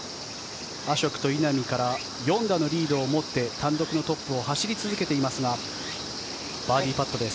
アショクと稲見から４打のリードをもって単独のトップを走り続けていますがバーディーパットです。